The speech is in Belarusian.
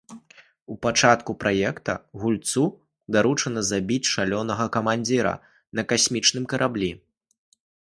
У пачатку праекта гульцу даручана забіць шалёнага камандзіра на касмічным караблі.